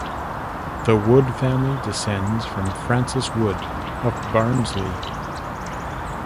The Wood family descends from Francis Wood, of Barnsley.